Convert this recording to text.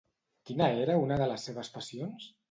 Quina era una de les seves passions?